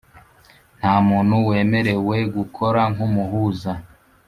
Nta muntu wemerewe gukora nk’umuhuza